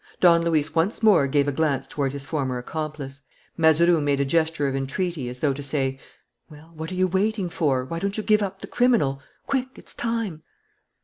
Don Luis once more gave a glance toward his former accomplice. Mazeroux made a gesture of entreaty, as though to say: "Well, what are you waiting for? Why don't you give up the criminal? Quick, it's time!"